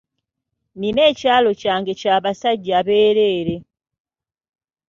Nina ekyalo kyange kya basajja bereere.